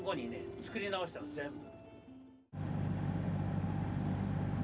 作り直したの全部。